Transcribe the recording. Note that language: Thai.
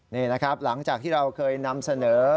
นี่นะครับหลังจากที่เราเคยนำเสนอ